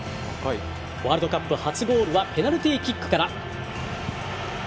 ワールドカップ初ゴールはペナルティーキックから。